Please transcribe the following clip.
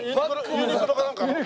ユニクロかなんかの？